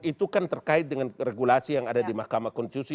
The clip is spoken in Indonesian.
itu kan terkait dengan regulasi yang ada di mahkamah konstitusi